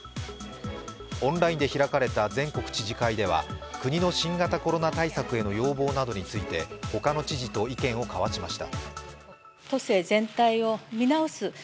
オンラインで開かれた全国知事会では国の新型コロナ対策への要望などについて他の知事と意見を交わしました。